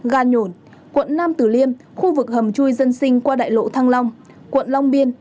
gà nhổn quận nam tử liêm khu vực hầm chui dân sinh qua đại lộ thăng long quận long biên